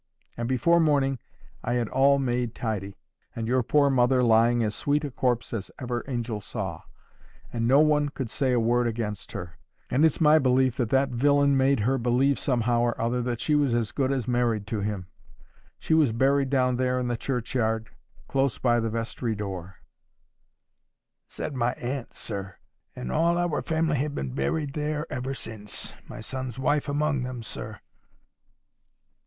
And before morning I had all made tidy, and your poor mother lying as sweet a corpse as ever angel saw. And no one could say a word against her. And it's my belief that that villain made her believe somehow or other that she was as good as married to him. She was buried down there in the churchyard, close by the vestry door,' said my aunt, sir; and all of our family have been buried there ever since, my son Tom's wife among them, sir."